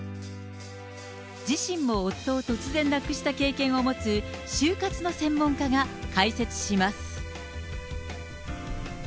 自身も夫を突然亡くした経験を持つ終活の専門家が解説します。